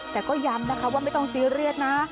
แต่ก็ย้ำนะคะว่าไม่ต้องซีเรียสนะ